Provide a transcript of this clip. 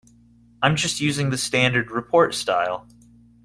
I'm just using the standard report style.